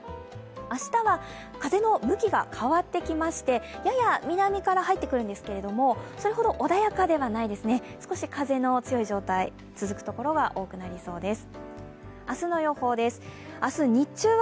明日は風の向きが変わってきまして、やや南から入ってくるんですけど、それほど穏やかではないですね、少し風の状態が続くところが多くなりそうです。